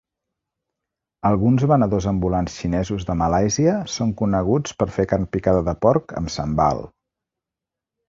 Alguns venedors ambulants xinesos de Malàisia són coneguts per fer carn picada de porc amb sambal.